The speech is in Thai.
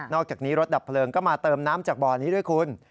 อกจากนี้รถดับเพลิงก็มาเติมน้ำจากบ่อนี้ด้วยคุณ